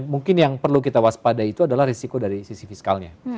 mungkin yang perlu kita waspadai itu adalah risiko dari sisi fiskalnya